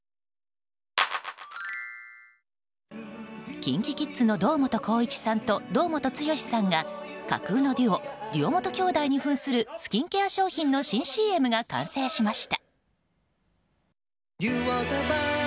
ＫｉｎＫｉＫｉｄｓの堂本光一さんと堂本剛さんが架空のデュオデュオ本兄弟に扮するスキンケア商品の新ＣＭが完成しました。